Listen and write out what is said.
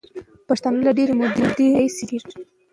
پښتانه له ډېرې مودې راهیسې جنګېږي.